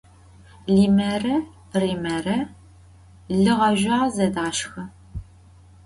Limere Rimere lı ğezjüağe zedaşşxı.